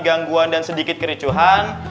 gangguan dan sedikit kericuhan